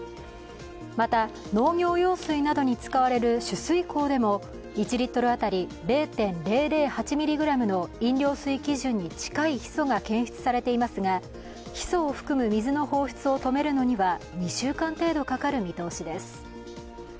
また、農業用水などに使われる取水口でも１リットル当たり０．００８ｍｇの飲料水基準に近いヒ素が検出されていますが、ヒ素を含む水の放出を止めるのには２週間程度かかる見通しです。